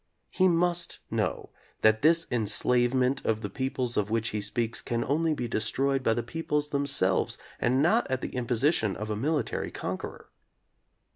He must know that this "enslavement" of the peoples of which he speaks can only be destroyed by the peoples themselves and not at the imposition of a military conqueror.